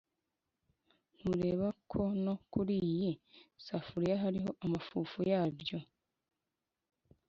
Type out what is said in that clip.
ntureba ko no kuriyi safuriya hariho amafufu yabyo!!